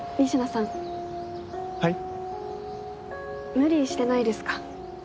無理してないですか？